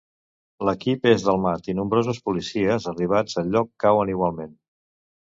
L'equip és delmat i nombrosos policies arribats al lloc cauen igualment.